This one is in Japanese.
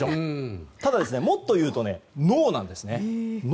ただ、もっというと脳なんですね。